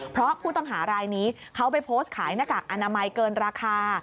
เพราะผู้ต้องหารายนี้เขาไปโพสต์ขายหน้ากากอนามัยเกินราคา